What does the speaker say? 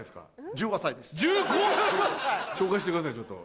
１５⁉紹介してくださいちょっと。